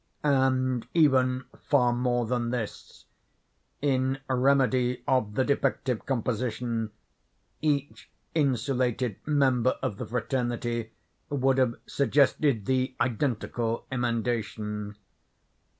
And even far more than this; in remedy of the defective composition, each insulated member of the fraternity would have suggested the identical emendation.